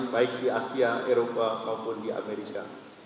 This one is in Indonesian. baik di asia eropa maupun di amerika